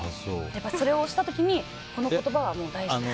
それをした時にこの言葉は大事です。